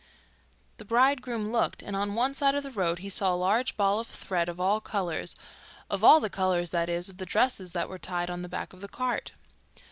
The bridegroom looked, and on one side of the road he saw a large ball of thread of all colours of all the colours, that is, of the dresses that were tied on to the back of the cart.